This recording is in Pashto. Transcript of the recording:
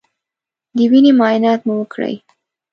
د وینې معاینات مو وکړی